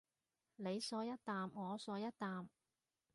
你嗦一啖我嗦一啖